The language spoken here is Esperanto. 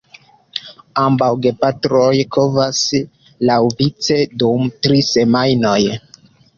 Ambaŭ gepatroj kovas laŭvice dum tri semajnoj.